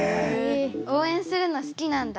応援するの好きなんだ。